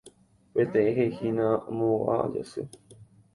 Peteĩ heʼíhina “Amóva Jasy”.